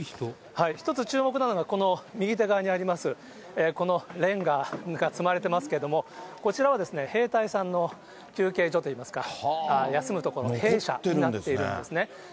１つ注目なのが、この右手側にありますこのれんがが積まれてますけども、こちらは兵隊さんの休憩所といいますか、休む所の兵舎になってるんですね。